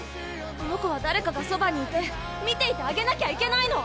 あの子は誰かがそばにいて見ていてあげなきゃいけないの！